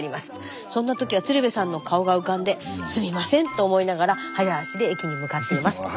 そんな時は鶴瓶さんの顔が浮かんですいませんと思いながら早足で駅に向かっていますと。